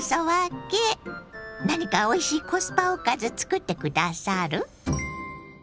何かおいしいコスパおかずつくって下さる？